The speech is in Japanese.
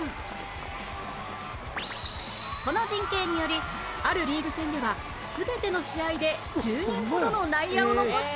この陣形によりあるリーグ戦では全ての試合で１０人ほどの内野を残した！